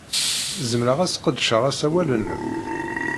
Zemreɣ ad sqedceɣ asawal-nnem?